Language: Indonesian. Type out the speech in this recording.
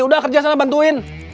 udah kerja sana bantuin